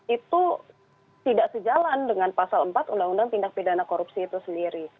itu tidak sejalan dengan pasal empat undang undang tindak pidana korupsi itu sendiri